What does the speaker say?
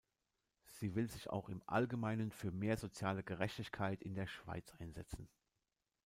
Sie will sich auch im Allgemeinen für mehr soziale Gerechtigkeit in der Schweiz einsetzen.